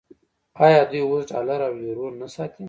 آیا دوی اوس ډالر او یورو نه ساتي؟